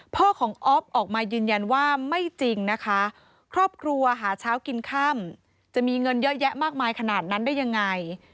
พ่อของอ๊อฟออกมายืนยันว่าไม่จริงนะคะครอบครัวหาเช้ากินค่ำจะมีเงินเยอะแยะมากมายขนาดนั้นได้ยังไง